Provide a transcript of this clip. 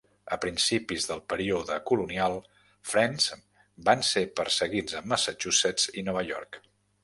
A principis del període colonial, Friends van ser perseguits a Massachusetts i Nueva York.